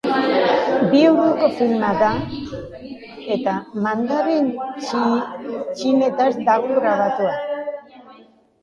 Bi orduko filma da, eta mandarin-txineraz dago grabatua.